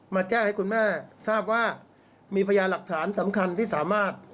แจ้งให้คุณแม่ทราบว่ามีพยานหลักฐานสำคัญที่สามารถ